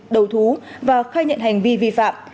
đầu thú và khai nhận hành vi vi phạm